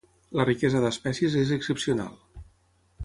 La riquesa d'espècies és excepcional.